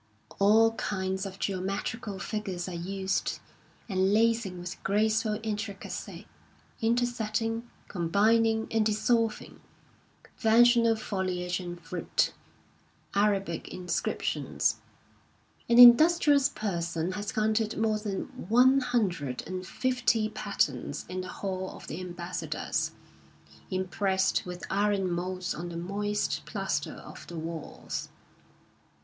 All kinds of geometrical figiu'es are used, enlacing with graceful intricacy, intersecting, combining and dissolving; conventional foliage and fruit, Arabic inscriptions. An industrious person has counted more than one hundred and fifty patterns in the Hall of the Am bassadors, impressed with iron moulds on the moist plaster of the walls.